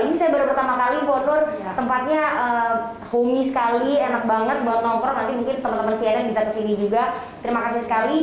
ini saya baru pertama kali impor tempatnya homey sekali enak banget buat nongkrong nanti mungkin teman teman cnn bisa kesini juga terima kasih sekali